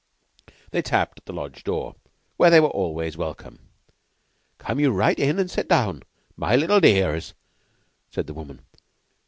They tapped at the Lodge door, where they were always welcome. "Come yeou right in an' set down, my little dearrs," said the woman.